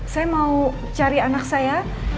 saya mau cari anak saya